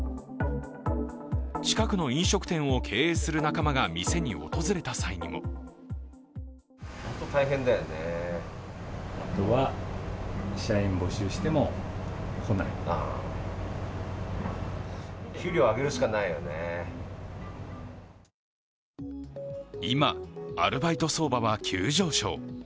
近くの飲食店を経営する仲間が店に訪れた際にも今、アルバイト相場は急上昇。